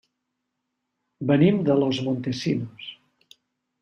Venim de Los Montesinos.